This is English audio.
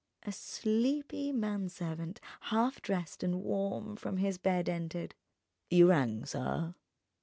A sleepy manservant, half dressed and warm from his bed, entered. "You rang, sir?"